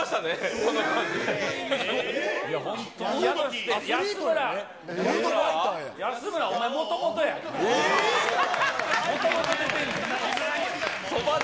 この感じ。